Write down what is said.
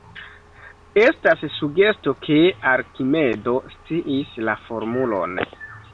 Estas sugesto ke Arkimedo sciis la formulon.